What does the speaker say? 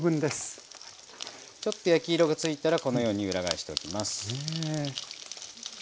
ちょっと焼き色がついたらこのように裏返しておきます。